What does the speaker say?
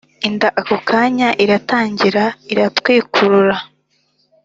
Inda ako kanya iratangira iratwikurura.